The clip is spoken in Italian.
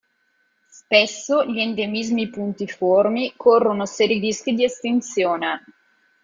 Spesso gli endemismi puntiformi corrono seri rischi di estinzione.